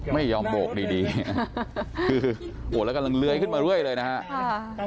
ไม่ยอมโบกดีแล้วกำลังเลือยขึ้นมาเรื่อยเลยนะครับ